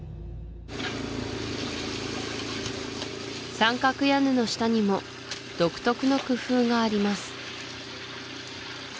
三角屋根の下にも独特の工夫があります